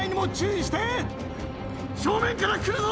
正面から来るぞ！